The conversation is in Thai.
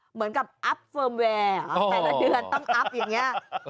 เหมือนกับอัพเฟิร์มแวร์แต่ละเดือนต้องอัพอย่างนี้